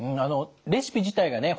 レシピ自体がね